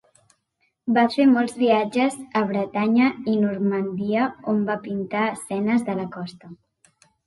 Va fer molts viatges a Bretanya i Normandia, on va pintar escenes de la costa.